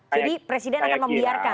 jadi presiden akan membiarkan